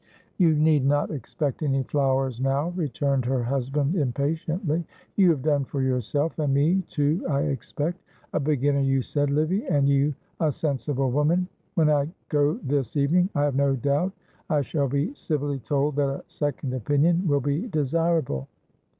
"You need not expect any flowers now," returned her husband, impatiently. "You have done for yourself and me too I expect. A beginner you said, Livy, and you a sensible woman! When I go this evening, I have no doubt I shall be civilly told that a second opinion will be desirable.